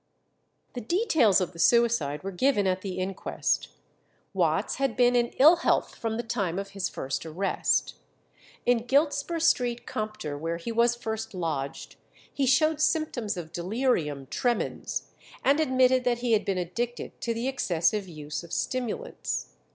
The details of the suicide were given at the inquest. Watts had been in ill health from the time of his first arrest. In Giltspur Street Compter, where he was first lodged, he showed symptoms of delirium tremens, and admitted that he had been addicted to the excessive use of stimulants.